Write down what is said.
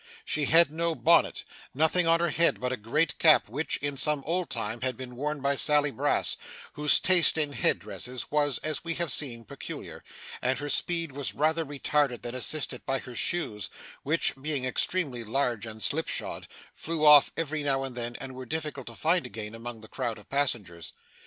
She had no bonnet nothing on her head but a great cap which, in some old time, had been worn by Sally Brass, whose taste in head dresses was, as we have seen, peculiar and her speed was rather retarded than assisted by her shoes, which, being extremely large and slipshod, flew off every now and then, and were difficult to find again, among the crowd of passengers.